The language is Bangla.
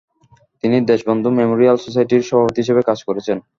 তিনি 'দেশবন্ধু মেমোরিয়াল সোসাইটি'র সভাপতি হিসেবে কাজ করেছেন।